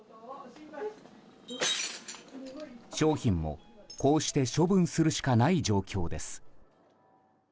商品もこうして処分するしかない状況です。